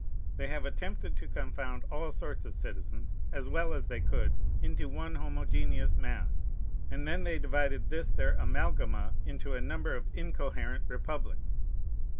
They have attempted to confound all sorts of citizens, as well as they could, into one homogeneous mass; and then they divided this their amalgama into a number of incoherent republics.